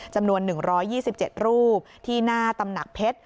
จำนวนหนึ่งร้อยยี่สิบเจ็ดรูปที่หน้าตำหนักเพชร